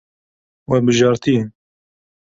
We bijartiye.